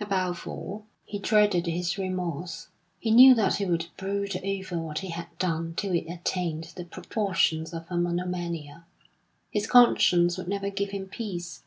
Above all, he dreaded his remorse. He knew that he would brood over what he had done till it attained the proportions of a monomania; his conscience would never give him peace.